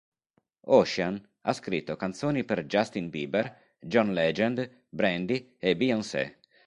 Ocean ha scritto canzoni per Justin Bieber, John Legend, Brandy e Beyoncé.